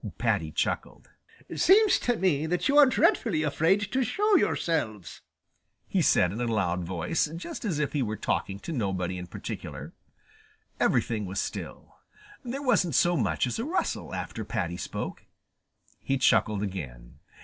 Paddy chuckled. "Seems to me that you are dreadfully afraid to show yourselves," said he in a loud voice, just as if he were talking to nobody in particular. Everything was still. There wasn't so much as a rustle after Paddy spoke. He chuckled again.